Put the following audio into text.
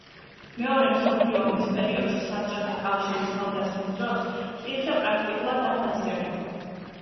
მეორე მსოფლიო ომის პერიოდში საბჭოთა კავშირის თავდასხმის დროს კირხე პრაქტიკულად არ დაზიანებულა.